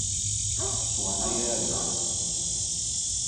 A súa nai é alemá.